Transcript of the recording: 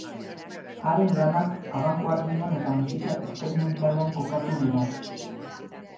Haren lanak abangoardian eta musika esperimentalean kokatu dira.